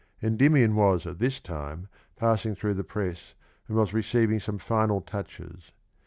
Endijminn was at this time passing through the press and was receiving some fini\l touches.